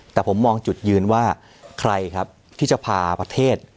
แต่ผมมองจุดยืนว่าใครครับที่จะพาประเทศ